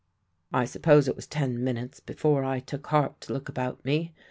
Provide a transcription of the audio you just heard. "I suppose it was ten minutes before I took heart to look about me.